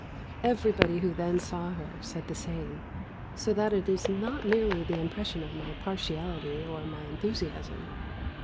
Everybody who then saw her said the same; so that it is not merely the impression of my partiality, or my enthusiasm.